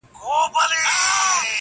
ما د خضر پر چینه مړي لیدلي -